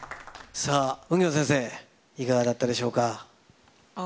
さあ、ウンギョン先生、いかがだったでしょうか。